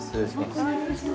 こんにちは。